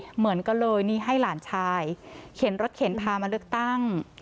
เหมือนก็เลยนี่ให้หลานชายเข็นรถเข็นพามาเลือกตั้ง